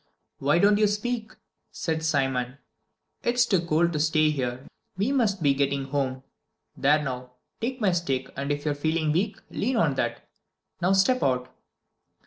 "Why don't you speak?" said Simon. "It's too cold to stay here, we must be getting home. There now, take my stick, and if you're feeling weak, lean on that. Now step out!"